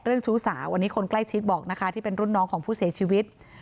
ชู้สาวอันนี้คนใกล้ชิดบอกนะคะที่เป็นรุ่นน้องของผู้เสียชีวิต